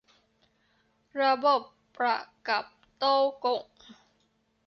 ระบบประกับโต้วก่ง